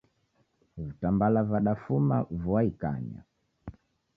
Vitambala vadafuma vua ikanya.